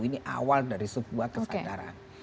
ini awal dari sebuah kesadaran